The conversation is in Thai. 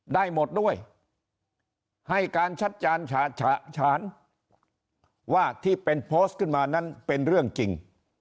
ได้หมดด้วยให้การชัดจานฉะฉานว่าที่เป็นโพสต์ขึ้นมานั้นเป็นเรื่องจริง